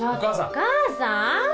お母さん。